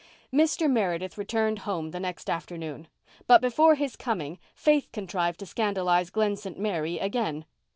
Mr. Meredith returned home the next afternoon, but before his coming Faith contrived to scandalize Glen St. Mary again.